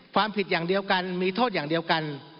ความผิดอย่างเดียวกันมีโทษอย่างเดียวกัน